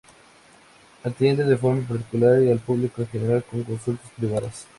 Atiende de forma particular y al público en general con consultas privadas.